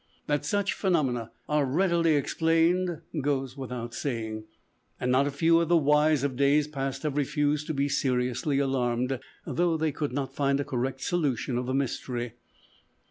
That such phenomena are readily explained goes without saying; and not a few of the wise of days past have refused to be seriously alarmed, though they could not find a correct solution of the mystery.